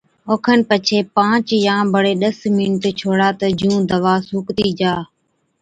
او کن پڇي پانچ يان بڙي ڏس منٽ ڇوڙا تہ جُون دَوا سُوڪتِي جا۔